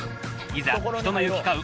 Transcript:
いざ、人の行き交う